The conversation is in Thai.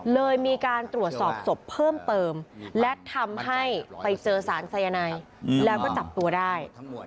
เลยมีการตรวจสอบศพเพิ่มเติมและทำให้ไปเจอสารสายนายแล้วก็จับตัวได้